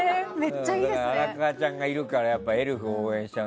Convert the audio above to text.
荒川ちゃんがいるからエルフ応援しちゃう。